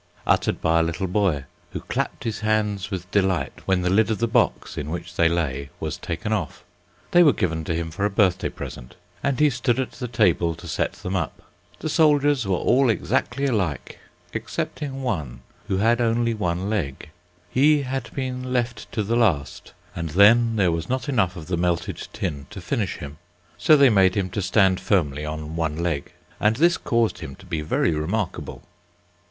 uttered by a little boy, who clapped his hands with delight when the lid of the box, in which they lay, was taken off. They were given him for a birthday present, and he stood at the table to set them up. The soldiers were all exactly alike, excepting one, who had only one leg; he had been left to the last, and then there was not enough of the melted tin to finish him, so they made him to stand firmly on one leg, and this caused him to be very remarkable.